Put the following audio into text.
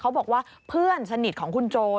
บอกว่าเพื่อนสนิทของคุณโจ